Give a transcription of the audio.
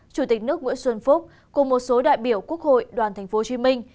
chủ tịch nước nguyễn xuân phúc cùng một số đại biểu quốc hội đoàn thành phố hồ chí minh